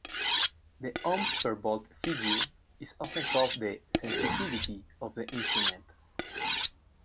The ohms per volt figure is often called the "sensitivity" of the instrument.